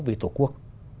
vì tổ quốc